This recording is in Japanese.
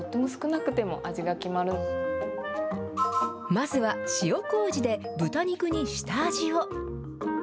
まずは、塩こうじで豚肉に下味を。